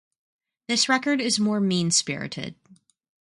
This record is more mean-spirited.